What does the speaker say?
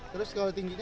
terus kalau tingginya